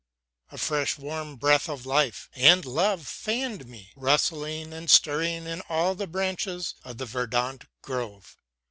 A fresh, warm breath of life and love fanned me, rustling and stirring in all the branches of the verdant grove.